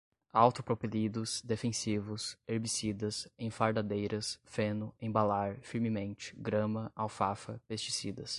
autopropelidos, defensivos, herbicidas, enfardadeiras, feno, embalar, firmemente, grama, alfafa, pesticidas